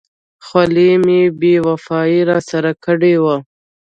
خولۍ مې بې وفایي را سره کړې وه.